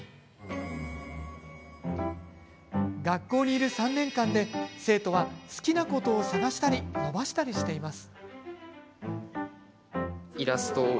学校にいる３年間で生徒は好きなことを探したり伸ばしたりしています。